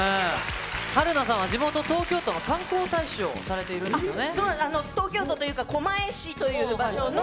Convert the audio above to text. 春菜さんは地元、東京都の観光大使をされているんですよね。